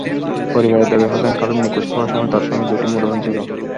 পরিবারের দাবি, হাসান খালেদ নিখোঁজ হওয়ার সময় তাঁর সঙ্গে দুটি মুঠোফোন ছিল।